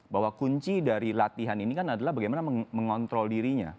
bahwa kunci dari latihan ini kan adalah bagaimana mengontrol dirinya